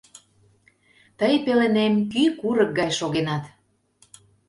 — Тый пеленем кӱ курык гай шогенат.